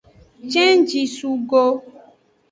Cenjie sun go.